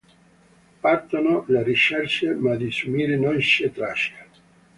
Partono le ricerche, ma di Sumire non c’è traccia.